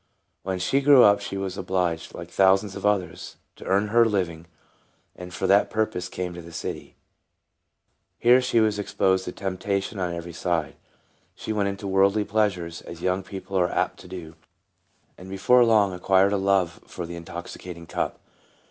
When she grew up she was obliged, like thousands of others, to earn her own living, and for that purpose came to the city. Here she was ex 72 TRANSFORMED. posed to temptation on every side. She went into worldly pleasures, as young people are apt to do, and before long acquired a love for the intoxicating cup.